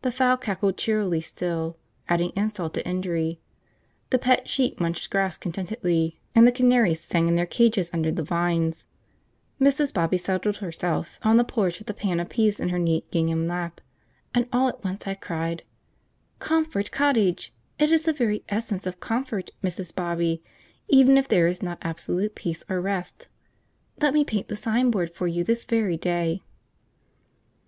The fowl cackled cheerily still, adding insult to injury, the pet sheep munched grass contentedly, and the canaries sang in their cages under the vines. Mrs. Bobby settled herself on the porch with a pan of peas in her neat gingham lap, and all at once I cried: "'Comfort Cottage'! It is the very essence of comfort, Mrs. Bobby, even if there is not absolute peace or rest. Let me paint the signboard for you this very day."